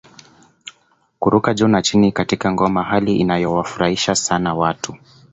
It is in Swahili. Kuruka juu na chini katika ngoma hali ianoyowafurahisha sana watu